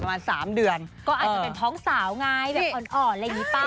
ประมาณ๓เดือนก็อาจจะเป็นท้องสาวไงแบบอ่อนอะไรอย่างนี้ป่ะ